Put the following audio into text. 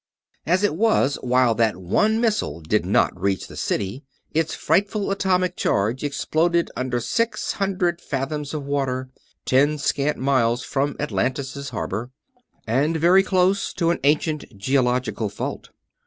As it was, while that one missile did not reach the city, its frightful atomic charge exploded under six hundred fathoms of water, ten scant miles from Atlantis' harbor, and very close to an ancient geological fault.